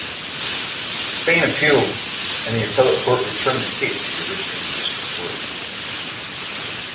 Spain appealed, and the appellate court returned the case to the originating District Court.